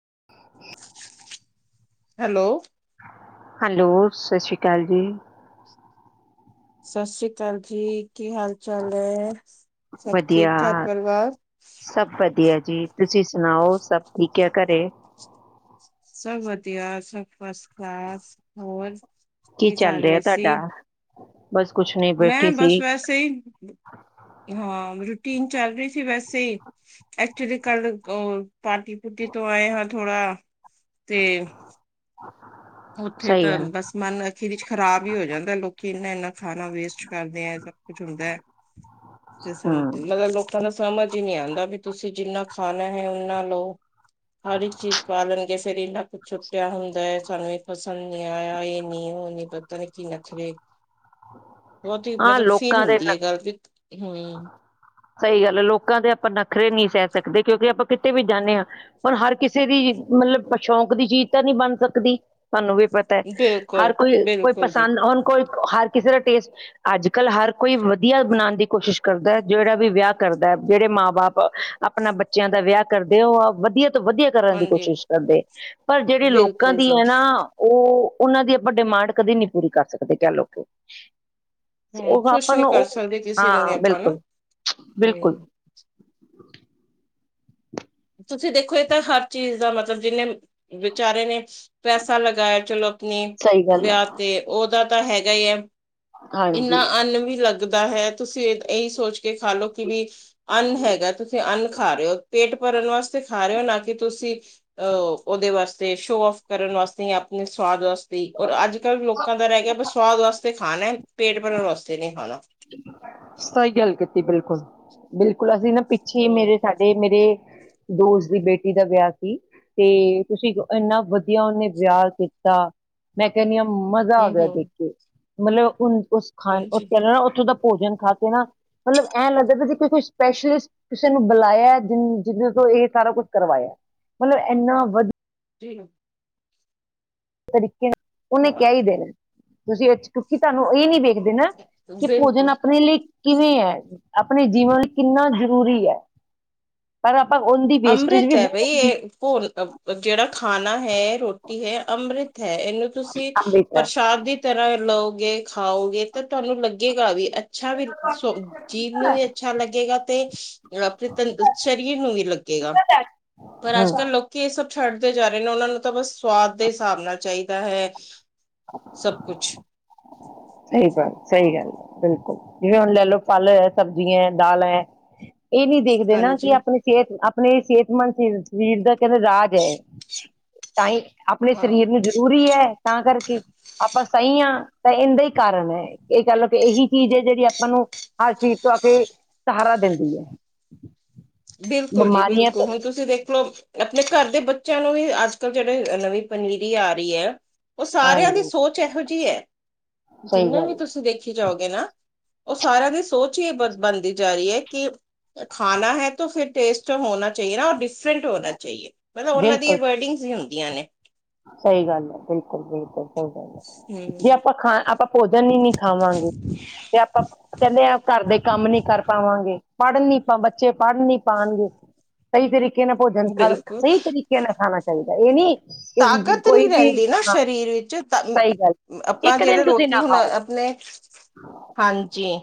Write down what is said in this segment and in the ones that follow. [unintelligible] Hello! Hello ਸਤਿ ਸ਼੍ਰੀ ਅਕਾਲ ਜੀ। ਸਤਿ ਸ਼੍ਰੀ ਅਕਾਲ ਜੀ ਕੀ ਹਾਲ ਚਾਲ ਹੈ ਸਭ ਵਧੀਆ ਠੀਕ ਠਾਕ ਪਰਿਵਾਰ ਸਭ ਵਧੀਆ ਜੀ ਤੁਸੀਂ ਸੁਣਾਓ ਸਭ ਠੀਕ ਐ ਘਰੇ ਸਭ ਵਧੀਆ ਸਭ ਬਸ ਹੋਰ ਕੀ ਕਰ ਚੱਲ ਰਿਹਾ ਰਹੇ ਤੁਹਾਡਾ ਸੀ ਬਸ ਕੁਛ ਨਹੀਂ ਮੈਂ ਬੈਠੀ ਬਸ ਸੀ ਵੈਸੇ ਹੀ ਹਾਂ [unintelligible] ਚੱਲ ਰਹੀ ਸੀ ਵੈਸੇ ਐਕਚੁਲੀ ਕੱਲ ਪਾਰਟੀ ਪੁੱਟਿ ਤੋਂ ਆਏ ਹਾਂ ਥੋੜਾ ਤੇ ਉੱਥੇ ਸਹੀ ਗੱਲ ਤੁਹਾਨੂੰ ਬਸ ਮਾਨ ਅਖੀਰ ਵਿੱਚ ਖਰਾਬ ਹੀ ਹੋ ਜਾਂਦਾ ਲੋਕੀ ਇਨਾ ਇਨਾ ਖਾਣਾ ਵੇਸਟ ਕਰਦੇ ਆ ਸਭ ਕੁਝ ਹੁੰਦਾ ਹੂੰ ਮਗਰ ਲੋਕਾਂ ਨੂੰ ਸਮਝ ਹੀ ਨਹੀਂ ਆਂਦਾ ਵੀ ਤੁਸੀਂ ਜਿੰਨਾ ਖਾਣਾ ਹੈ ਓਨਾਂ ਲਓ ਹਰ ਇੱਕ ਚੀਜ਼ ਪਾ ਲੈਣਗੇ ਫਿਰ ਇੰਨਾ ਕੁੱਛ ਛੁੱਟਿਆ ਹੁੰਦਾ ਸਾਨੂੰ ਪਸੰਦ ਨੀ ਆਇਆ ਜੇ ਨੀ ਓ ਨੀ ਪਤਾ ਕੀ ਨੱਖਰੇ ਬਹੁਤ ਹੀ ਹਾਂ ਮਤਲਬ ਫਿਲ ਲੋਕਾਂ ਦੇ ਹੁੰਦੀ ਆ ਗੱਲ ਸਹੀ ਗੱਲ ਹੈ ਲੋਕਾਂ ਦੇ ਆਪਾਂ ਨਖਰੇ ਸਹਿ ਸਕਦੇ ਕਿਉਂਕਿ ਆਪਾਂ ਕਿਤੇ ਵੀ ਜਾਂਦੇ ਆਂ ਪਰ ਹਰ ਕਿਸੇ ਦੀ ਮਤਲਬ ਸ਼ੌਂਕ ਦੀ ਚੀਜ਼ ਤਾਂ ਨਹੀਂ ਬਣ ਸਕਦੀ ਤੁਹਾਨੂੰ ਵੀ ਪਤਾ ਬਿਲਕੁਲ ਹਰ ਕੋਈ ਕੋਈ ਬਿਲਕੁਲ ਜੀ ਪਸੰਦ ਨੀ ਕੋਈ ਹਰ ਕਿਸੇ ਦਾ ਟੇਸਟ ਅੱਜ ਕੱਲ ਹਰ ਕੋਈ ਵਧੀਆ ਬਣਾਣ ਦੀ ਕੋਸ਼ਿਸ਼ ਕਰਦਾ ਜਿਹੜਾ ਵੀ ਵਿਆਹ ਕਰਦਾ ਬਥੇਰੇ ਜਿਹੜੇ ਮਾਂ ਬਾਪ ਆਪਣਾ ਬੱਚਿਆਂ ਦਾ ਵਿਆਹ ਕਰਦੇ ਹੋ ਵਧੀਆ ਵਧੀਆ ਕਰਾਂਗੇ ਹਾਂਜੀ ਕੋਸ਼ਿਸ਼ ਕਰਦੇ ਪਰ ਜਿਹੜੇ ਲੋਕਾਂ ਬਿਲਕੁਲ ਦੀ ਐ ਜੀ ਨਾ ਉਹ ਉਹਨਾਂ ਦੀ ਆਪਾਂ ਡਿਮਾਂਡ ਕਦੀ ਨਹੀਂ ਪੂਰੀ ਕਰ ਸਕਦੇ ਉਹ ਖੁਸ਼ ਆਪਾਂ ਨਹੀਂ ਨੂੰ ਕਰ ਉਹ ਸਕਦੇ ਕਿਸੇ ਨੂੰ ਵੀ ਹਾਂ ਆਪਾ ਨਾ ਬਿਲਕੁਲ ਬਿਲਕੁਲ ਹੂੰ। ਤੁਸੀਂ ਦੇਖੋ, ਇਹ ਤਾਂ ਹਰ ਚੀਜ਼ ਦਾ ਮਤਲਬ, ਜਿਹਨੇ- ਵਿਚਾਰੇ ਨੇ ਪੈਸਾ ਲਗਾਇਆ। ਚਲੋ ਆਪਣੀ ਸਹੀ ਗੱਲ ਹੈ ਵਿਆਹ ਤੇ, ਉਹ- ਦਾ ਤਾਂ ਹੈਗਾ ਹੀ ਹੈ। ਇਨਾ ਹਾਂਜੀ, ਅੰਨ ਵੀ ਔ ਤਾ ਹੈ। ਤੁਸੀਂ ਇਹੀ ਸੋਚ ਕੇ ਖਾ ਲਓ ਕਿ ਵੀ ਅਨ ਹੈਗਾ। ਤੁਸੀਂ ਖਾ ਰਹੇ ਹੋ। ਪੇਟ ਭਰਨ ਵਾਸਤੇ ਖਾ ਰਹੇ ਹੋ। ਨਾ ਕਿ ਤੁਸੀਂ ਉਹਦੇ ਵਾਸਤੇ, ਸ਼ੋ ਆਫ ਕਰਨ ਵ ਅਸੀਂ, ਆਪਣੇ ਸਵਾਦ ਵਾ ਔਰ, ਅੱਜ ਕੱਲ ਲੋਕਾਂ ਦਾ ਰਹਿ ਗਿਆ ਬਸ ਸਵਾਦ ਵਾਸਤੇ ਖਾਣਾ ਹੈ। ਪੇਟ ਭਰਨ ਵਾਸਤੇ ਨੀ ਖਾ ਸਹੀ ਗੱਲ ਕੀਤੀ ਬਿਲਕੁਲ। ਬਿਲਕੁਲ ਅਸੀਂ ਨਾ। ਪਿੱਛੇ ਹਮ ਮੇਰੇ, ਸਾਡੇ ਮੇਰੇ। ਦੂਸਰੀ ਬੇਟੀ ਦਾ ਵਿਆਹ ਸੀ। ਤੇ ਤੁਸੀਂ, ਇੰਨਾ ਵਧੀਆ ਉਹਨੇ ਵਿਆਹ ਤੇ ਮੈਂ ਕਹਿੰਦੀ ਆ ਮਜ਼ਾ, ਆ ਹਮ ਗਿਆ ਸੀ ਹਮ ਦੇਖੇ, ਮਤਲਬ ਕੁਝ ਖਾਣ ਤੋ, ਉਹ ਹਾਂਜੀ ਪਹਿਲਾਂ। ਭੋਜਨ ਖਾਦੇ ਨਾ, ਮਤਲਬ ਐ ਲੱਗਦਾ ੀ ਤੁਸੀਂ ਸਪੈਸ਼ਲ ਕਿਸੀ ਨੂੰ ਬੁਲਾਇਆ ਹੈ। ਇਸ ਤੋਂ ਇਹ ਸਾਰਾ ਕੁਝ ਕਰਵਾਇਆ ਏ, ਮਤਲਬ ਇਨਾ ਵਧੀ- ਜੀ । ਉਹਨੇ ਹਾਂ ਕਿਹਾ [unintelligible] ਹੀ ਦੇ ਤੁਸੀਂ ਤੁਹਾਨੂੰ [unintelligible] ਇਹ ਨਹੀਂ ਇ ਦੇ ਨਾ, ਕਿ ਭੋਜਨ ਬਿਲਕੁਲ ਆਪਣੇ ਲਈ ਕਿਵੇਂ ਐ, ਆਪਣੇ ਜੀਵਨ ਲੀ ਕਿੰਨਾ ਜਰੂਰੀ ਹੈ। ਆਪਾਂ ਉਹਦੀ ਵੇਸਟੇਜ ਅੰਮ੍ਰਿਤ ਵੀ ਹੈ ਬਹੁਤ ਬਈ ਹੁੰਦੀ ਇਹ ਜਿਹੜਾ ਖਾਣਾ ਹੈ ਰੋਟੀ ਹੈ ਅੰਮ੍ਰਿਤ ਇਹਨੂੰ ਤੁਸੀਂ ਆਂਦੇ ਹੈ ਪ੍ਰਸ਼ਾਦ ਦੀ ਤਰ੍ਹਾਂ ਲਓ ਯਹ ਖਾਉਗੇ ਤਾਂ ਤੁਹਾਨੂੰ ਲੱਗੇਗਾ ਵੀ ਅੱਛਾ ਵੀ ਜੀਭ ਨੂੰ ਵੀ ਅੱਛਾ ਲੱਗੇ ਤੇ ਸਰੀਰ ਨੂੰ ਵੀ ਲੱਗੇਗਾ ਪਰ ਅੱਜ ਹੂੰ ਕੱਲ ਲੋਕੀ ਸ ਛੱਡ ਦੇ ਜਾ ਰਹੇ ਨੇ ਉਹਨਾਂ ਨੂੰ ਤਾਂ ਬਸ ਸਵਾਦ ਦੇ ਹਿਸਾਬ ਨਾਲ ਚਾਹੀਦਾ ਹੈ। ਸਭ, ਕੁਛ। ਸਹੀ ਗੱਲ ਸਹੀ ਗੱਲ ਬਿਲਕੁਲ, ਵੀਰੇ ਲੈ ਲਓ ਫਲ ਐ, ਸਬਜੀਆਂ ਐ, ਦਾਲ ਐ। ਇਹ ਨਹੀਂ ਦੇਖਦੇ ਨਾ, ਕਿ ਹਾਂਜੀ ਆਪਣੀ ਸਿਹਤ, ਆਪਣੇ ਸਿਹਤ ਮੰਤਰੀ [unintelligible] ਵੀਰ ਦਾ ਤੈਨੂੰ ਰਾਜ ਹੈ। ਤਾਂ, ਹੀ ਆਪਣੇ ਹਾਂ ਸਰੀਰ ਨੂੰ ਜਰੂਰੀ ਹੈ। ਤਾਂ ਕਰਕੇ, ਆਪਾਂ ਸਹੀ ਹਾਂ। ਤਾਂ ਇੰਦੇ ਹੀ। ਕਾਰਨ ਹੈ। ਇਹ ਕਹਿ ਲਓ ਕਿ ਇਹੀ ਚੀਜ਼ ਹੈ, ਜਿਹੜੀ ਆਪਾਂ ਨੂੰ, ਹਰ ਚੀਜ਼ ਤੋਂ, ਆ ਕੇ ਸਹਾਰਾ ਦਿੰਦੀ ਹੈ। ਹੂੰ। ਬਿਲਕੁਲ ਜੀ ਬਿਲਕੁਲ, ਹੁਣ ਤੁਸੀਂ ਦੇਖਲੋ, ਆਪਣੇ ਘਰ ਦੇ ਬੱਚਿਆਂ ਨੂੰ ਵੀ ਅੱਜ ਕੱਲ, ਜਿਹੜੇ ਨਵੀਂ ਪਨੀਰੀ ਆ ਰਹੀ ਹੈ। ਉਹ ਸਾਰਿਆਂ ਦੀ ਹਾਂਜੀ ਸੋਚ ਇਹੋ ਜਿਹੀ ਹੈ। ਸਹੀ ਜਿੰਨੇ ਵੀ ਗੱਲ ਹੈ ਤੁਸੀਂ ਦੇਖੀ ਜਾਓਗੇ ਨਾ, ਉਹ ਸਾਰਿਆਂ ਦੀ ਸੋਚ ਹੀ ਬਸ। ਬਣਦੀ ਜਾ ਰਹੀ ਹੈ, ਕਿ ਖਾਣਾ ਹੈ। ਤੋਂ ਫੇਰ, ਟੇਸਟ ਜੋ ਹੋਣਾ ਚਾਹੀਏ ਨਾ ਔ ਡਿਫਰੈਂਟ ਹੋਣਾ ਚਾਹੀਏ। ਮਤਲਬ ਉਹਨਾਂ ਦੀਆਂ ਬਿਲਕੁਲ ਵਰਡਿੰਗ ਹੀ ਹੁੰਦੀਆਂ ਨੇ। ਸਹੀ ਗੱਲ ਹੈ। ਬਿਲਕੁਲ- ਬਿਲਕੁਲ ਸਹੀ ਗੱਲ ਜੇ ਹਮ ਆਪਾਂ ਖਾਨ ਆਪਾਂ। ਭੋਜਨ ਹੀ, ਨੀ ਖਾਵਾਂਗੇ। ਤੇ, ਆਪਾਂ ਕਹਿੰਦੇ ਆ ਘਰ ਦੇ ਕੰਮ ਨੀ ਕਰ ਪਾਵਾਂਗੇ। ਪੜ ਨੀ ਪਾ, ਬੱਚੇ ਪੜ ਨੀ ਪਾਉਣਗੇ। ਸਹੀ ਤਰੀਕੇ ਨਾਲ ਭੋਜਨ ਖਾ, ਬਿਲਕੁਲ ਸਹੀ ਤਰੀਕੇ ਨਾਲ ਖਾਣਾ ਚਾਹੀਦਾ, ਇਹ ਨੀ। ਕਿ ਤਾਕਤ ਕੋਈ ਨਹੀਂ ਵੀ ਰਹਿੰਦੀ ਨਾ ਹਾਂ ਸਰੀਰ ਵਿੱਚ। ਤਾਂ ਹੀ ਸਹੀ ਗੱਲ ਆਪਾਂ, ਇੱਕ ਦਿਨ ਜਿਹੜੇ ਤੁਸੀਂ ਰੋਟੀ ਨਾ ਹੁਣ ਖਾਓ ਆਪਣੇ। ਹਾਂਜੀ।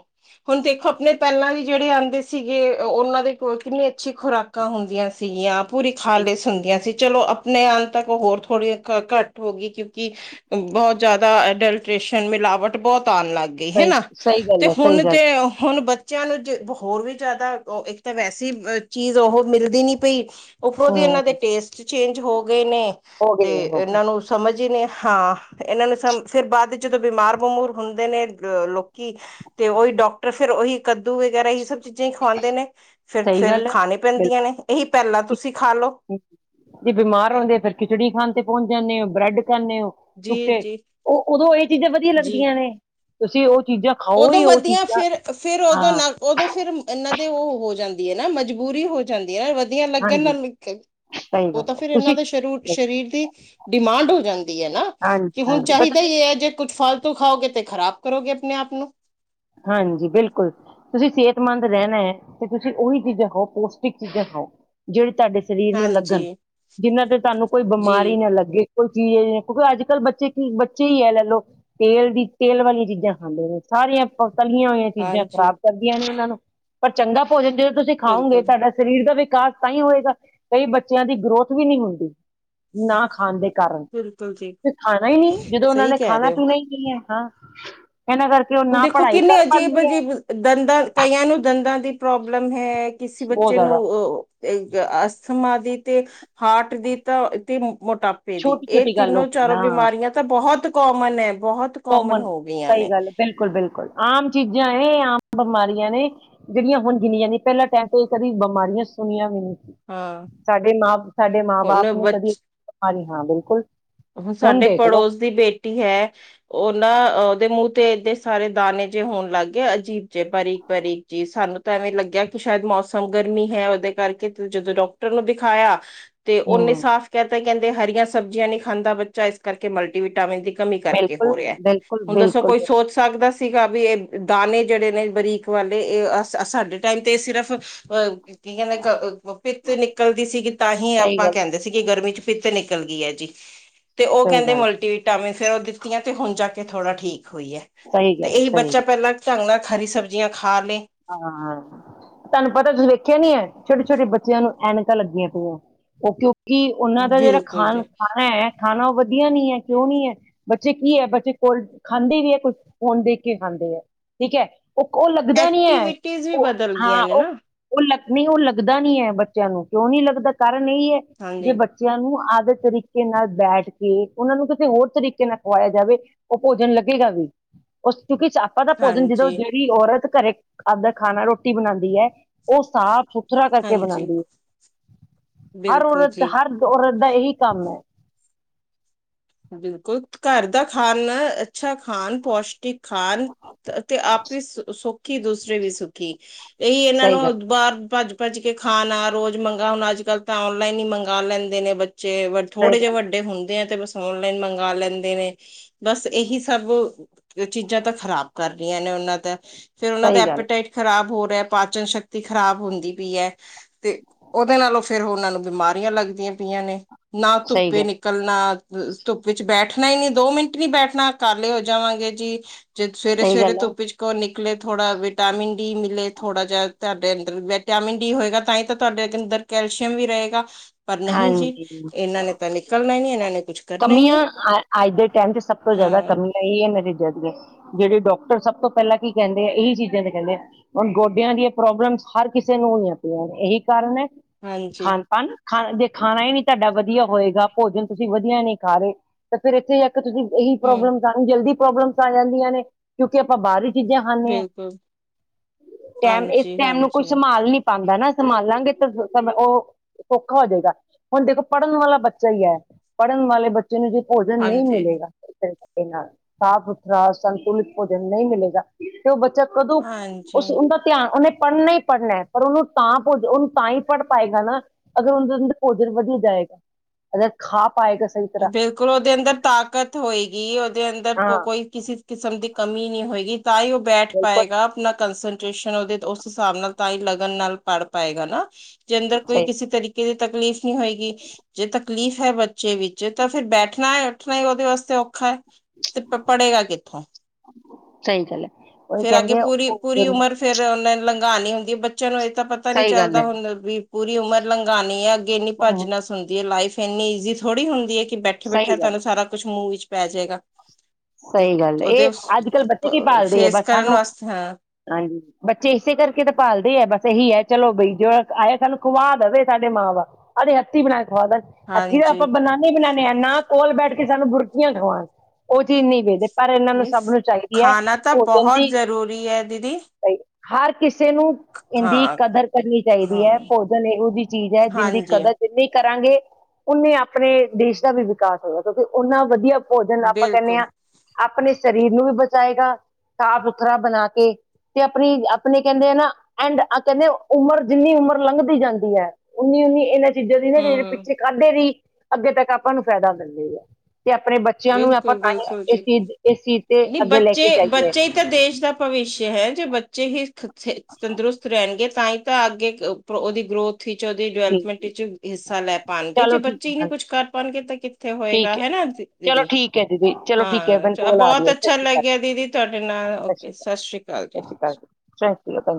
ਹੁਣ ਦੇਖੋ ਆਪਣੇ ਪਹਿਲਾਂ ਵੀ ਜਿਹੜੇ ਆਉਂਦੇ ਸੀਗੇ। ਉਹਨਾਂ ਦੇ ਕੋ ਕਿੰਨੀ ਅੱਛੀ ਖੁਰਾਕਾਂ ਹੁੰਦੀਆਂ ਸੀਗੀਆਂ। ਪੂਰੀ ਸਹੀ ਖਾਲਸ ਹੁੰਦੀਆਂ ਸੀ। ਚਲੋ, ਆਪਣੇ ਅ ਤ ਹੋਰ ਥੋੜੀ ਘੱਟ ਹੋ ਗਈ। ਕਿਉਂਕਿ ਬਹੁਤ ਜਿਆਦਾ ਅਡਲਟੇਸ਼ਨ, ਮਿਲਾਵਟ ਬਹੁਤ, ਤਣ ਲੱਗ ਗਈ ਸਹੀ ਹਨਾ। ਸਹੀ ਤੇ ਗੱਲ ਹੈ ਸਹੀ ਹੁਣ ਗੱਲ ਤੇ ਹੁਣ ਬ- ਬੱਚਿਆਂ ਨੂੰ ਜ ਹੋਰ ਵੀ ਜ਼ਿਆਦਾ, ਇੱਕ ਤਾਂ ਵੈਸੇ ਚੀਜ਼ ਉਹ ਮਿਲਦੀ ਨੀ ਪਈ। ਉਪਰੋਂ ਦੀ ਇਹਨਾਂ ਦੇ, ਹਮ ਟੇਸਟ ਚੇਂਜ ਹੋ ਗਏ ਨੇ, ਹੋ ਤੇ ਗਏ ਹੋ ਗਏ ਇਹਨਾਂ ਨੂੰ ਸਮ- ਜੀ ਨੇ, ਹਾਂ। ਇਹਨਾਂ ਨੂੰ ਫੇਰ ਬਾਅਦ ਜਦੋਂ ਬਿਮਾਰ ਬਮੂਰ ਹੁੰਦੇ ਨੇ ਅ ਲੋਕੀ। ਤੇ ਉਹੀ ਡਾਕਟਰ ਫੇਰ, ਉਹੀ ਕੱਦੂ ਵਗੈਰਾ ਹੀ ਸਭ ਚੀਜ਼ਾਂ। ਖਵਾਉਂਦੇ ਨੇ ਫੇਰ, ਸਹੀ ਫੇਰ ਗੱਲ ਹੈ ਖਾਣੀ ਪੈਂਦੀਆਂ ਬਿਲਕੁਲ ਨੇ ਇਹੀ ਪਹਿਲਾਂ ਤੁਸੀਂ ਖਾ ਲਓ। ਜੀ ਬਿਮਾਰ। ਹੁੰਦੇ ਫਿਰ ਖਿਚੜੀ ਖਾਣ ਤੇ ਪਹੁੰਚ ਜਾਂਨੇ ਆ ਬ੍ਰੈੱਡ ਖਦੇ ਹੋ ਜੀ ਸੁੱਕੇ ਜੀ ਉਹ ਉਦੋਂ ਇਹ ਚੀਜ਼ਾਂ ਵਧੀਆ ਜੀ ਲੱਗਦੀਆਂ ਨੇ ਤੁਸੀਂ ਉਹ, ਚੀਜ਼ਾਂ ਖਾਓ ਉਦੋਂ ਹੀ ਉਹ ਵਧੀਆ ਚੀਜ਼ਾਂ ਫਿਰ-ਫਿਰ ਹਾਂ ਉਦੋਂ-ਉਦੋਂ ਫਿਰ, ਇਹਨਾਂ ਤੇ ਉਹ ਹੋ ਜਾਂਦੀ ਹੈ ਨਾ ਮਜਬੂਰੀ ਹੋ ਜਾਂਦੀ ਹੈ ਨਾ ਵਧੀਆ ਲੱਗਣ ਨਾ ਹਾਂਜੀ ਲਣ ਸਹੀ ਗੱਲ ਉਹ ਤਾਂ ਹੈ। ਫਿਰ ਇਹਨਾਂ ਤੁਸੀਂ ਦੇ ਸ਼ਰ ਸਹੀ ਗੱਲ, ਸਰੀਰ ਦੀ ਡਿਮਾਂਡ ਹੋ ਜਾਂਦੀ ਹੈ ਨਾ ਹਾਂਜੀ ਕਿ ਹੁਣ ਹਾਂਜੀ ਪਰ ਤੁਸੀਂ ਚਾਹੀਦਾ ਹੀ, ਹੈ ਜੇ ਕੁੱਛ ਫਾਲਤੂ ਖਾਓਗੇ ਤੇ ਖਰਾਬ ਕਰੋਗੇ ਆਪਣੇ ਆਪ ਨੂੰ ਹਾਂਜੀ, ਬਿਲਕੁਲ ਤੁਸੀਂ ਸਿਹਤਮੰਦ ਰਹਿਣਾ ਹੈ ਤੇ ਤੁਸੀਂ ਉਹੀ ਚੀਜ਼ਾਂ ਖਾਓ ਪੋਸ਼ਟਿਕ ਚੀਜ਼ਾਂ ਖਾਓ। ਜਿਹੜੇ ਤੁਹਾਡੇ ਸਰੀਰ ਨੂੰ ਹਾਂਜੀ ਲੱਗਣ ਜਿਹਨਾਂ ਤੇ ਤੁਹਾਨੂੰ ਕੋਈ ਜੀ ਬਿਮਾਰੀ ਨਾ ਲੱਗੇ, ਕੋਈ ਚੀਜ਼ ਹੈ ਕਿਉਂਕਿ ਅੱਜ-ਕੱਲ੍ਹ ਬੱਚੇ ਕੀ ਬੱਚੇ ਹੀ ਹੈ ਲੈ ਲਓ ਤੇਲ ਦੀ ਤੇਲ ਵਾਲੀਆਂ ਚੀਜ਼ਾਂ ਖਾਂਦੇ ਨੇ ਸਾਰੀਆਂ, ਲੀਆਂ ਹੋਈਆਂ ਚੀਜ਼ਾਂ ਹਾਂਜੀ ਖਰਾਬ ਕਰਦੀਆਂ ਨੇ ਉਹਨਾਂ ਨੂੰ ਪਰ ਚੰਗਾ ਭੋਜਨ ਜਦੋਂ ਤੁਸੀਂ ਖਾਓਗੇ ਬਿਲਕੁਲ ਤੁਹਾਡਾ ਸਰੀਰ ਦਾ ਵਿਕਾਸ ਤਾਂ ਹੀ ਹੋਏਗਾ ਕਈ ਬੱਚਿਆਂ ਦੀ ਗਰੋਥ ਵੀ ਨਹੀਂ ਹੁੰਦੀ ਨਾ, ਖਾਣ ਦੇ ਕਾਰਨ ਬਿਲਕੁਲ ਜੀ ਤੇ ਖਾਣਾ ਹੀ ਨਹੀਂ ਜਦੋਂ ਉਹਨਾਂ ਸਹੀ ਨੇ ਕਹਿ ਰਹੇ ਖਾਣਾ ਹੋ ਪੀਣਾ ਹੀ ਨਹੀਂ ਹੈ ਹਾਂ, ਇਹਨਾਂ ਕਰਕੇ ਉਹ ਹੁਣ ਨਾਪ, ਦੇਖੋ ਕਿੰਨੇ ਅਜੀਬ ਅਜੀਬ ਦੰਦਾਂ ਕਈਆਂ ਨੂੰ ਦੰਦਾਂ ਦੀ ਪ੍ਰੋਬਲਮ ਹੈ। ਕਿਸੇ ਬਹੁਤ ਬੱਚੇ ਨੂੰ ਜ਼ਿਆਦਾ ਅ ਅਸਥਮਾ ਦੀ ਤੇ ਹਾਰਟ ਦੀ ਤਾਂ ਤੇ, ਮੋਟਾਪੇ ਦੀ ਛੋਟੀ ਇਹ ਛੋਟੀ ਗੱਲ ਹੋ ਤਿੰਨੋ ਗਈ ਚਾਰੋ ਹਾਂ ਬਿਮਾਰੀਆਂ ਤਾਂ ਬਹੁਤ ਕੋਮਨ ਹੈ। ਬਹੁਤ ਕੋਮਨ ਹੋ ਗਈਆਂ ਸਹੀ ਨੇ, ਗੱਲ ਬਿਲਕੁਲ ਆਮ ਚੀਜ਼ਾਂ ਹੈ। ਆਮ ਬਿਮਾਰੀਆਂ ਨੇ, ਜਿਹੜੀਆਂ ਹੁਣ ਗਿਨੀਆਂ ਨੀ ਜਾਂਦੀ ਪਹਿਲਾਂ ਟਾਈਮ ਤੇ ਇਹ ਕਦੀ ਬਿਮਾਰ- ਸੁਣੀਆਂ ਵੀ ਨਹੀਂ ਸੀ। ਹਾਂ ਸਾਡੇ ਮਾਂ, ਸਾਡੇ ਮਾਂ- ਹੁਣ ਬਾਪ ਨੇ ਕਦੀ ਹਾਂਜੀ, ਹਾਂ। ਬਿਲਕੁਲ। ਹ ਹੁਣ ਸਾਡੇ ਦੇਖ ਲੋ ਪੜੋਸ ਦੀ ਬੇਟੀ ਹੈ। ਉਹਨਾਂ ਉਹਦੇ ਮੁ ਤੇ ਏਦੇ ਸਾਰੇ ਦਾਣੇ ਜੇ ਹੋਣ ਲੱਗ ਗਏ ਅਜੀਬ ਜੇ ਬਾਰੀਕ ਬਾਰੀਕ ਜੀ ਸਾਨੂੰ ਤਾਂ ਐਵੇਂ ਲੱਗਿਆ ਕਿ ਸ਼ਾਇਦ, ਮੌਸਮ ਗਰਮੀ ਹੈ ਉਹਦੇ ਕਰਕੇ ਜਦੋਂ ਡਾਕਟਰ ਨੂੰ ਦਿਖਾਇਆ। ਤੇ ਉਹਨੇ ਹੂੰ ਸਾਫ਼ ਕਹਿ ਤੇ ਕਹਿੰਦੇ ਹਰੀਆਂ ਸਬਜ਼ੀਆਂ ਨੀ ਖਾਂਦਾ ਬੱਚਾ ਇਸ ਕਰਕੇ ਮਲਟੀਵਟਾਮਿਨ ਦੀ, ਕਮੀ ਕਰਕੇ ਬਿਲਕੁਲ ਹੋ ਰਿਹਾ ਬਿਲਕੁਲ ਹੁਣ ਦੱਸੋ ਬਿਲਕੁਲ ਕੋਈ ਬਿਲਕੁਲ, ਸੋਚ ਸਕਦਾ ਸੀ। ਸੀਗਾ ਵੀ ਇਹ ਦਾਣੇੇ ਜਿਹੜੇ ਨੇ ਬਰੀਕ ਵਾਲੇ ਇਹ ਅ ਸਾਡੇ ਟਾਈਮ ਤੇ ਸਿਰਫ ਅ ਕੀ ਕਹਿੰਦੇ ਭਿੱਤ ਨਿਕਲਦੀ ਸੀਗੀ, ਤਾਂ ਹੀ ਸਹੀ ਆਪਾਂ ਗੱਲ ਕਹਿੰਦੇ ਸੀ ਕਿ ਗਰਮੀ ਚ ਪਿੱਤ ਨਿਕਲ ਗਈ ਹੈ ਜੀ, ਤੇ ਉਹ ਸਹੀ ਕਹਿੰਦੇ ਗੱਲ ਮਲਟੀਵਟਾਮਿਨ ਫੇਰ ਉਹ ਦਿੱਤੀਆਂ ਤੇ ਹੁਣ ਜਾ ਕੇ ਥੋੜਾ ਠੀਕ ਈ ਹੈ ਸਹੀ ਤੇ ਗੱਲ ਇਹੀ ਸਹੀ ਬੱਚਾ ਗੱਲ ਪਹਿਲਾਂ ਝੰਗ ਨਾਲ ਹਰੀ ਸਬਜ਼ੀਆਂ ਖਾ ਲਏ ਹਾਂ, ਤੁਹਾਨੂੰ ਪਤਾ ਤੁਸੀਂ ਵੇਖਿਆ ਨੀ ਹੈ। ਛੋਟੇ-ਛੋਟੇ ਬੱਚਿਆਂ ਨੂੰ ਐਨਕਾਂ ਲੱਗੀਆਂ ਪਈਆਂ, ਕਿਉਂਕਿ ਉਹ ਕਿ, ਉਹਨਾਂ ਦਾ ਜਿਹੜਾ ਖਾ ਬਿਲਕੁਲ ਜੀ ਖਾਣਾ ਹੈ, ਖਾਣਾ ਉਹ ਵਧੀਆ ਵਧਆ ਨੀ ਹੈ ਕਿਉਂ ਨੀ ਹੈ, ਬੱਚੇ ਕੀ ਹੈ ਬੱਚੇ ਕੋਲ ਖਾਂਦੇ ਵੀ ਹੈ, ਕੁਛ ਫੋਨ ਦੇਖ ਕੇ ਖਾਂਦੇ ਹੈ। ਠੀਕ ਹੈ ਉਹ ਉਹ ਲੱਗਦਾ ਨੀ ਹੈ, ਐਕਟੀਵਿਟੀਜ਼ ਵੀ ਉਹ ਬਦਲ ਗਈਆਂ ਹਾਂ ਨੇ ਉਹ ਨਾ ਉਹ ਲ ਨਹੀਂ ਉਹ ਲੱਗਦਾ ਨੀ ਹੈ ਬੱਚਿਆਂ ਨੂੰ ਕਿਉਂ ਨੀ ਲੱਗਦਾ ਕਾਰਨ ਇਹੀ ਐ ਜੇ ਹਾਂਜੀ ਬੱਚਿਆਂ ਨੂੰ ਦੇ ਤਰੀਕੇ ਨਾਲ ਬੈਠ ਕੇ ਉਹਨਾਂ ਨੂੰ ਕਿਸੇ ਹੋਰ ਤਰੀਕੇ ਨਾਲ ਖਵਾਇਆ ਜਾਵੇ, ਉਹ ਭੋਜਨ ਲੱਗੇਗਾ ਵੀ। ਉਸ ਕਿਉਂਕਿ, ਆਪਾਂ ਦਾ ਭੋਜਨ ਜਦੋਂ ਹਾਂਜੀ ਜਿਹੜੀ ਔਰਤ ਘਰੇ ਅਦਰ ਖਾਣਾ ਰੋਟੀ ਬਣਾਦੀ ਹੈ ।ਉਹ ਸਾਫ-ਸੁਥਰਾ ਕਰਕੇ ਹਾਂਜੀ ਬਣਾਉਂਦੀ ਹੈ। ਹਰ ਬਿਲਕੁਲ ਔਰਤ ਜੀ ਹਰ ਔਰਤ ਦਾ ਇਹੀ ਕੰਮ ਹੈ। ਬਿਲਕੁਲ ਘਰ ਦਾ ਖਾਣ, ਅੱਛਾ ਖਾਣ ਪੋਸ਼ਟਿਕ ਖਣ ਤੇ ਆਪ ਵੀ ਸੁਖੀ ਦੂਸਰੇ ਵੀ ਸੁਖੀ। ਇਹੀ, ਇਹਨਾਂ ਸਹੀ ਗੱਲ ਨੂੰ ਬਾਹਰ ਭੱਜ ਭੱਜ ਕੇ ਖਾਣਾ ਰੋਜ਼ ਮੰਗਗਾ ਹੁਣ ਅੱਜ ਕੱਲ ਤਾਂ ਔਨਲਾਈਨ ਹੀ ਮੰਗ ਲੈਂਦੇ ਨੇ ਬ ਚ ਸਹੀ ਥੋੜੇ ਜਿਹੇ ਗੱਲ ਵੱਡੇ ਹੁੰਦੇ ਆ ਤੇ ਬ ਔਨਲਾਈਨ ਮੰਗ ਲੈਂਦੇ ਨੇ ਬਸ ਇਹੀ ਸਭ ਚੀਜ਼ਾਂ ਤਾਂ ਖ਼ਰਾਬ ਕਰ ਰਹੀਆਂ ਨੇ ਉਹਨਾਂ ਦਾ ਫੇਰ ਉਹਨਾਂ ਦਾ ਸਹੀ ਗੱਲ ਐਪੀਟਾਈਟ ਖ਼ਰਾਬ ਹੋ ਰਿਹਾ ਪਾਚਨ ਸ਼ਕਤੀ ਖ਼ਰਾਬ ਹੁੰਦੀ ਪਈ ਹੈ। ਤੇ ਉਹਦੇ ਨਾਲੋਂ ਫਿਰ ਉਹਨਾਂ ਨੂੰ ਬਿਮਾਰੀਆਂ ਲੱਗਦੀਆਂ ਪਈਆਂ ਨੇ ਨਾ ਸਹੀ ਧੁੱਪੇ ਗੱਲ ਨਿਕਲਣਾ, ਧੁੱਪ ਵਿੱਚ ਬੈਠਣਾ ਹੀ ਨੀ ਦੋ ਮਿੰਟ ਨੀ ਬੈਠਣਾ ਕਾਲੇ ਹੋ ਜਾਵਾਂਗੇ ਜੀ। ਜ ਸਹੀ ਸਵੇਰੇ-ਸਵੇਰੇ ਗੱਲ ਹੈ ਧੁੱਪ ਚਚ ਕੋ ਨਿਕ ਲੇ, ਥੋੜਾ ਵਿਟਾਮਿਨ ਡੀ ਮਿਲੇ, ਥੋੜਾ ਜਿਹਾ ਤੁਹਾਡੇ ਅੰਦਰ ਵਿਟਾਮਿਨ ਡੀ ਹੋਏਗਾ, ਤਾਂ ਹੀ ਤਾਂ ਤੁਹਾਡੇ ਕੈਲਸ਼ੀਅਮ ਵੀ ਰਹੇਗਾ, ਪਰ ਨਹੀਂ ਜੀ, ਹਾਂਜੀ ਇਹਨਾਂ ਨੇ ਤਾਂ ਨਿਕਲਣਾ ਹੀ ਨਹੀਂ ਇਹਨਾਂ ਨੇ ਕੁੱਛ ਕਮੀਆਂ ਅੱਜ ਦੇ ਟਾਈਮ ਚ ਸਭ ਤੋਂ ਜ਼ਿਆਦਾ ਹਾਂ ਕਮੀਆਂ ਇਹ ਹੈ, ਮੇਰੇ ਜਦਆਂ ਜਿਹੜੇ ਡਾਕਟਰ ਸਭ ਤੋਂ ਪਹਿਲਾਂ ਕੀ ਕਹਿੰਦੇ ਆ, ਇਹੀ ਚੀਜ਼ਾਂ ਤੇ ਕਹਿੰਦੇ ਆ ਹੁਣ ਗੋਡਿਆਂ ਦੀਆਂ ਪ੍ਰੋਬਲਮਸ ਹਰ ਕਿਸੇ ਨੂੰ ਹੋਈਆਂ ਪਈਆਂ। ਇਹ ਕਾਰਨ ਹੈ, ਹਾਂਜੀ ਖਾਨ-ਪਾਨ? ਖਾ ਜੇ ਖਾਣਾ ਹੀ ਨਹੀਂ ਤੁਹਾਡਾ ਵਧੀਆ ਹੋਏਗਾ ਭੋਜਨ ਤੁਸੀਂ ਵਧੀਆ ਨਹੀਂ ਖਾ ਰਹੇ, ਤੇ ਫੇਿਰ ਇੱਥੇ ਤੁਸੀਂ ਇਹੀ ਹਮ ਪ੍ਰੋਬਲਮ ਜਲਦੀ ਪ੍ਰੋਬਲਮਸ ਆ ਜਾਂਦੀਆਂ, ਨੇ ਕਿਉਂਕਿ ਆਪਾਂ ਬਾਰਿਸ਼ ਚੀਜ਼ਾਂ ਖਾਂਦੇ ਹਾਂ, ਬਿਲਕੁਲ ਟਾਈਮ ਇਸ ਹਾਂਜੀ ਟਾਈਮ ਨੂੰ ਕੋਈ ਹਾਂਜੀ ਸੰਭਾਲ ਨੀ ਪਾਉਂਦਾ ਨਾ। ਸੰਭਾਲਾਂਗੇ ਤਾਂ ਸਮ ਉਹ ਸਔਖਾ ਹੋ ਜਾਏਗਾ, ਹੁਣ ਦੇਖੋ ਪੜ੍ਹਨ ਵਾਲਾ ਬੱਚਾ ਹੀ ਹੈ, ਪੜ੍ਹਨ ਵਾਲੇ ਬੱਚੇ ਜਿਨੂੰ ਜੀ ਭੋਜਨ ਨਹੀਂ ਹਾਂਜੀ ਮਿਲੇਗਾ। ਇਹ ਸਾਫ਼-ਸੁਥਰਾ ਸੰਤੁਲਿਤ ਭੋਜਨ ਨਹੀਂ ਮਿਲੇਗਾ, ਤੇ ਉਹ ਬੱਚਾ ਕਦੋਂ, ਹਾਂਜੀ ਉਸ ਉਹਦਾ ਧਿਆਨ ਉਹਨੇ ਪੜ੍ਹਨਾ ਹੀ ਪੜ੍ਹਨਾ, ਪਰ ਉਹਨੂੰ ਤਾਂ ਭੋਜ ਉਹਨੂੰ ਤਾਂ ਹੀ ਪੜ੍ਹ ਪਾਏਗਾ ਨਾ ਅਗਰ, ਉਹਦਾ ਅ ਭੋਜਨ ਵਧੀ ਜਾਏਗਾ ਅਗਰ ਖਾ ਪਾਏਗਾ ਸਹੀ ਤਰ੍ਹਾਂ ਬਿਲਕੁਲ, ਉਹਦੇ ਅੰਦਰ ਤਾਕਤ ਹੋਏਗੀ। ਦੇ ਅੰਦਰ ਹਾਂ ਕੋਈ ਕਿਸੇ ਕਿਸਮ ਦੀ ਕਮੀ ਨਹੀਂ ਹੋਏਗੀ, ਤਾਂ ਹੀ ਉਹ ਬੈਠ ਬਿਲਕੁਲ ਪਾਏਗਾ ਆਪਣਾ ਕੰਸਰਟ ਉਸ ਹਿਸਾਬ ਨਾਲ ਤਾਂ ਹੀ ਲਗਨ ਨਾਲ ਪੜ ਪਾਏਗਾ ਨਾ, ਜੇ ਅੰਦਰ ਕੋਈ ਸਹੀ ਕਿਸੇ ਤਰੀਕੇ ਦੇ ਤਕਲੀਫ਼ ਨੀ ਹੋਏਗੀ, ਜੇ ਤਕਲੀਫ਼ ਹੈ ਬੱਚੇ ਵਿੱਚ ਜੇ ਤਾਂ ਫੇਰ ਬੈਠਣਾ ਉੱਠਣਾ ਹੀ ਉਹਦੇ ਵਾਸਤੇ ਔਖਾ ਹੈ, ਤੇ ਪੜੇਗਾ ਕਿੱਥੋਂ? ਸਹੀ ਗੱਲ। ਉਹੀ ਫੇਰ ਅਗੇ ਕਹਿੰਦੇ ਪੂਰੀ ਉਹ ਤਾਂ ਪਤਾ ਨੀ ਸਹੀ ਗੱਲ ਚੱਲਦਾ ਹੈ ਹੁੰਦਾ ਵੀ ਪੂਰੀ ਉਮਰ ਲੰਘਾਣੀ ਹੈ ਅੱਗੇ ਨ ਭੱਜਣਾ ਸੁਣਦੀ ਹੈ ਲਾਈਫ ਫ ਇੰਨੀ ਈਜ਼ੀ ਥੋੜ੍ਹੀ ਹੁੰਦੀ ਹੈ, ਕਿ ਬੈਠੇ ਬੈਠਾ ਸਹੀ ਗੱਲ ਤੁਹਾਨੂੰ ਸਾਰਾ ਕੁਛ ਮੂੰਹ ਵਿੱਚ ਪੈ ਜਾਏਗਾ। ਤੇ ਸਹੀ ਗੱਲ ਉਹਦੇ ਇਹ ਅੱਜ-ਕੱਲ੍ਹ ਬੱਚੇ ਕੀ ਪਾਲਦੇ ਆ ਫੇਸ ਬ ਕਰਨ ਸਾਨੂੰ ਵਾਸਤੇ ਹਾਂ ਹਾਂਜੀ ਬੱਚੇ ਇਸੇ ਕਰਕੇ ਤਾਂ ਪਾਲਦੇ ਹੈ ਬਸ ਇਹੀ ਹੈ ਚਲੋ ਬਈ ਜੋ ਆਏ ਸਾਨੂੰ ਖਵਾ ਦੇਵੇ ਸਾਡੇ ਮਾਂ ਬਾਪ ਆਦੇ ਹੱਥੀ ਬਣਾ ਕੇ। ਖ ਹੱਥੀ ਦਾ ਹਾਂਜੀ ਆਪਾਂ ਬਨਾਨੇ ਹੀ ਬਣਾਦੇ ਹਾਂ ਨਾ ਕੋਲ ਬੈਠ ਕੇ ਸਾਨੂੰ ਬੁਰਕੀਆਂ ਖਵਾਉਣ, ਉਹ ਚੀਜ਼ ਨਹੀਂ ਵੇਖਦੇ ਪਰ ਇਹਨਾਂ ਨੂੰ ਨਹੀਂ ਸਭ ਨੂੰ ਚਾਹੀਦੀ ਹੈ ਖਾਣਾ ਤਾਂ ਭੋਜਨ ਬਹੁਤ ਦੀ, ਜ਼ਰੂਰੀ ਹੈ ਦੀਦੀ ਹਰ ਕਿਸੇ ਨੂੰ ਇਹਦੀ ਹਾਂ ਕਦਰ ਕਰਨੀ ਚਾਹੀਦੀ ਹਾਂ ਹੈ ਭੋਜਨ ਇਹੋ ਜਿਹੀ ਚੀਜ਼ ਹੈ ਜਿੰਦੀ ਹਾਂਜੀ ਕਦਰ ਜਿੰਨੀ, ਕਰਾਂਗੇ ਉਹਨੇ ਆਪਣੇ ਦੇਸ਼ ਦਾ ਵੀ ਵਿਕਾਸ ਹੋਇਆ ਕਿਉਂਕਿ ਨਾ ਵਧੀਆ ਭੋਜਨ ਆਪ, ਬਿਲਕੁਲ ਆਪਣੇ ਸਰੀਰ ਨੂੰ ਵੀ ਬਚਾਏਗਾ ਸਾਫ਼ ਸੁਥਰਾ ਬਣਾ ਕੇ, ਤੇ ਆਪਣੀ ਆਪਣੇ ਕਹਿੰਦੇ ਆ ਨਾ ਐਂਡ ਕਹਿੰਦੇ ਉਮਰ ਜਿੰਨੀ ਉਮਰ ਲੰਘਦੀ ਜਾਂਦੀ ਹੈ ਉਨੀ, ਇਹਨਾਂ ਚੀਜ਼ਾਂ ਦੀ ਜਿਹੜੇ ਹਮ ਪਿੱਛੇ ਖਾਧੇ ਰਹੀ ਅੱਗੇ ਤੱਕ ਆਪਾਂ ਨੂੰ ਫਾਇਦਾ ਮਿਲਦੇ ਆ ਤੇ ਆਪਣੇ ਬੱਚਿਆਂ ਨੂੰ, ਬਿਲਕੁਲ ਪਤਾ ਨਹੀਂ ਬਿਲਕੁਲ ਇਸ ਜੀ ਚੀਜ਼, ਚੀਜ਼ ਤੇ ਨਹੀਂ ਅੱਗੇ ਲੈ ਕੇ ਜਾਈਏ ਬੱਚੇ-ਬੱਚੇ ਹੀ ਤਾਂ ਦੇਸ਼ ਦਾ ਭਵਿੱਸ਼ ਹੈ ਜੇ ਬੱਚੇ ਹੀ, ਤੰਦਰੁਸਤ ਰਹਿਣਗੇ ਤਾਂ ਹੀ ਤਾਂ ਅੱਗੇ, ਉਹਦੀ ਗਰੋਥ ਵਿੱਚ ਉਹਦੀ ਜੀ ਡਿਵੈਲਪਮੈਂਟ ਜੀ ਵਿੱਚ ਹਿੱਸਾ ਲੈ ਪਾਉਣਗੇ ਜੇ ਚਲੋ ਠੀਕ ਬੱਚੇ ਹੀ ਹੈ ਨਹੀਂ ਕੁੱਛ ਕਰ ਪਾਉਣਗੇ ਤਾਂ, ਕਿੱਥੇ ਹੋਏਗਾ ਠੀਕ ਹੈ ਹਨਾ ਜੀ, ਚਲੋ ਦੀਦੀ ਠੀਕ ਹੈ ਦੀਦੀ ਚਲੋ ਠੀਕ ਹੈ ਹਾਂ ਮੈਨੂੰ ਚ ਕੋਲ ਆ ਰਹੀ ਬਹੁਤ ਹੈ ਸਤਿ ਅੱਛਾ ਸ਼੍ਰੀ ਲੱਗਿਆ ਦੀਦੀ ਤੁਹਾਡੇ ਨਾਲ ਓਕੇ ਸਤਿ ਸ਼੍ਰੀ ਅਕਾਲ, ਜੀ ਸਾਸਰੀ ਕਾਲ,